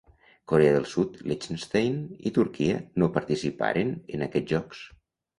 Corea del Sud, Liechtenstein i Turquia no participaren en aquests Jocs.